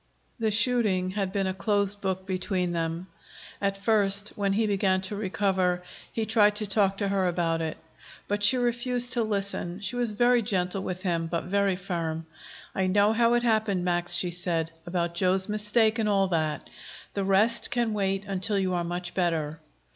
The shooting had been a closed book between them. At first, when he began to recover, he tried to talk to her about it. But she refused to listen. She was very gentle with him, but very firm. "I know how it happened, Max," she said "about Joe's mistake and all that. The rest can wait until you are much better."